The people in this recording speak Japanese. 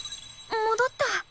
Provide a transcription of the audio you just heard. もどった。